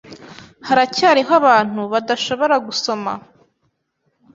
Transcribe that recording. Haracyariho abantu badashobora gusoma.